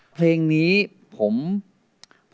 สวัสดีครับ